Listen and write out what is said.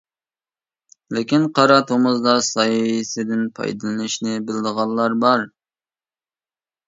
لېكىن قارا تومۇزدا سايىسىدىن پايدىلىنىشنى بىلىدىغانلار بار.